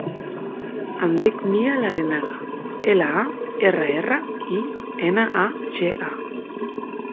Em dic Mia Larrinaga: ela, a, erra, erra, i, ena, a, ge, a.